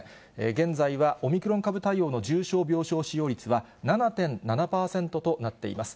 現在はオミクロン株の重症病床使用率は７．７％となっています。